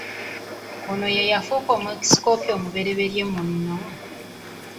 Ono ye yafuuka Omwepiskopi omubereberye muno.